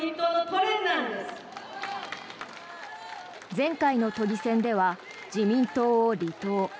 前回の都議選では自民党を離党。